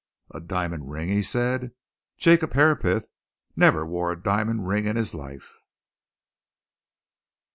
"A diamond ring!" he said. "Jacob Herapath never wore a diamond ring in his life!"